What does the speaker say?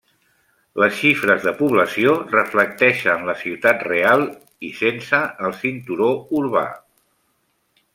Les xifres de població reflecteixen la ciutat real i sense el cinturó urbà.